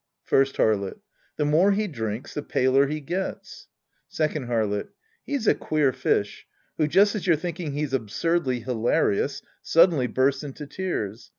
First Harlot. The more he drinks, the paler he gets. Second Harlot. He's a queer fish who, just as you're thinking he's absurdly hilarious, suddenly bursts into tears.